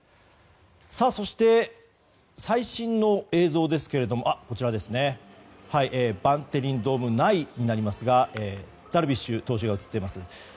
そして、最新の映像ですけれどもバンテリンドーム内になりますがダルビッシュ投手が映っています。